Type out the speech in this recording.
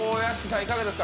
いかがですか